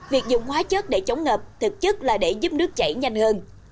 việc dùng hóa chất để chống ngập thực chất là để giúp nước chảy nhanh hơn